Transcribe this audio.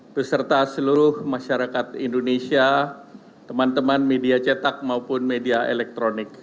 beserta seluruh masyarakat indonesia teman teman media cetak maupun media elektronik